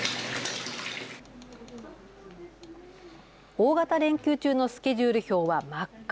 大型連休中のスケジュール表は真っ赤。